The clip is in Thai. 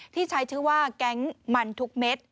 ที่ใช้ชื่อว่าแก๊งมันทุกเม็ด